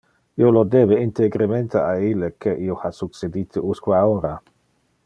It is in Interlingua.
Io lo debe integremente a ille que io ha succedite usque a ora.